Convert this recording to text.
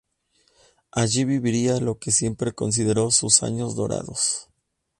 Allí viviría lo que siempre consideró sus "años dorados".